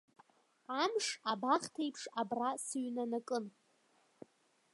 Амш, абахҭеиԥш абра сыҩнанакын.